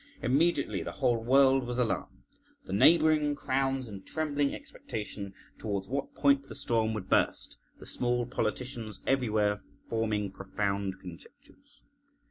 Immediately the whole world was alarmed, the neighbouring crowns in trembling expectation towards what point the storm would burst, the small politicians everywhere forming profound conjectures.